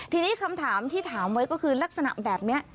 ทีนี้คำถามที่ถามไว้ก็คือลักษณะแบบนี้